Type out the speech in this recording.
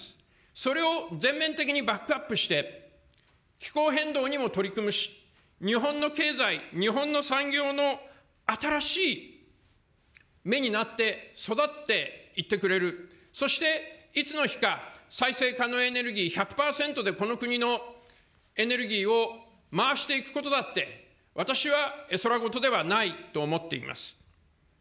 それを全面的にバックアップして、気候変動にも取り組むし、日本の経済、日本の産業の新しい芽になって、育っていってくれる、そしていつの日か、再生可能エネルギー１００％で、この国のエネルギーを回していくことだって、私は絵空事ではないと思っています。